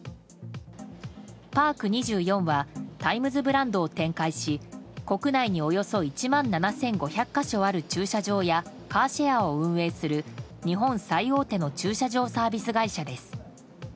パーク２４はタイムズブランドを展開し国内におよそ１万７５００か所ある駐車場やカーシェアを運営する日本最大手の駐車場サービス会社です。